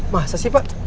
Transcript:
hah masa sih pak